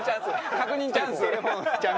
確認チャンス？